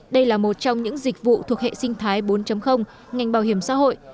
đây là một trong những dịch vụ thuộc hệ sinh thái bốn ngành bảo hiểm xã hội